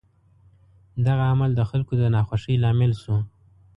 دغه عمل د خلکو د ناخوښۍ لامل شو.